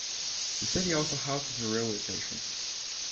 The city also houses a railway station.